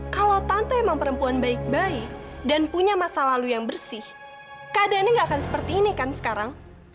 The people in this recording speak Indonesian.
kalau tante emang perempuan baik baik dan punya masa lalu yang bersih keadaannya nggak akan seperti ini kan sekarang